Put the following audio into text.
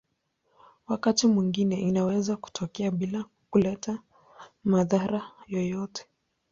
Wakati mwingine inaweza kutokea bila kuleta madhara yoyote.